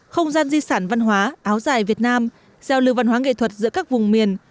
không gian di sản văn hóa áo dài việt nam giao lưu văn hóa nghệ thuật giữa các vùng miền